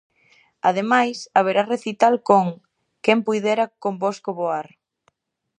Ademais, haberá recital con "Quen puidera convosco voar".